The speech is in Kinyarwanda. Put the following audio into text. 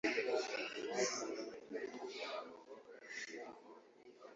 bityo ntibamenye ibikoresho bijyanye nawo